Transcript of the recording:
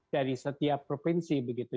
dari setiap provinsi begitu